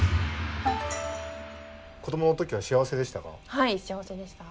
子どもの時は幸せでしたか？